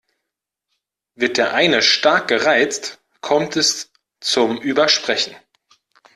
Wird der eine stark gereizt, kommt es zum Übersprechen.